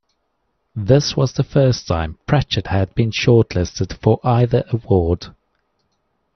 This was the first time Pratchett had been shortlisted for either award.